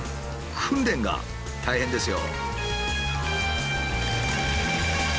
訓練が大変ですよ。